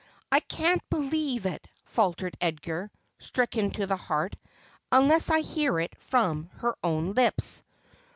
' I can't believe it,' faltered Edgar, stricken to the heart, ' unless I hear it from her own lips.'